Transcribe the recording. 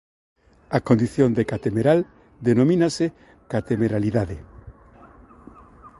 A condición de catemeral denomínase catemeralidade.